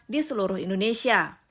di seluruh indonesia